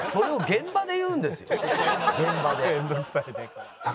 現場で。